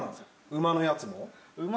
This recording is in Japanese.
馬のやつ？